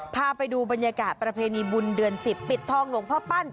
พาไปดูบรรยากาศประเพณีบุญเดือน๑๐ปิดทองหลวงพ่อปั้น